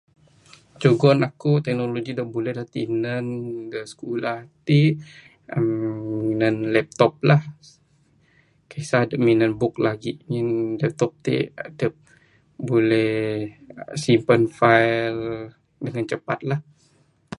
Jugon aku teknologi da buleh dog tinan da skulah ti uhh minan laptop lah. Kisah dep minan book lagi ngin laptop to dep buleh simpan file dangan capat lah.